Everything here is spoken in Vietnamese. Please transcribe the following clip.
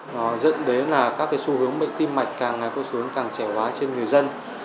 nó dẫn đến là các cái xu hướng bệnh tim mạch càng ngày càng trẻ hóa trên người dân